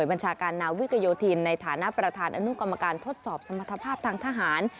บัญชาการนาวิกโยธินในฐานะประธานอนุกรรมการทดสอบสมรรถภาพทางทหาร